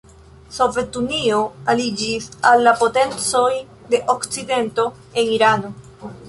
Sovetunio aliĝis al la potencoj de Okcidento en Irano.